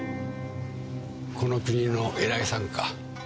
この国の偉いさんか？